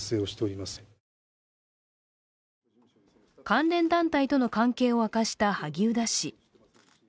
関連団体との関係を明かした萩生田氏。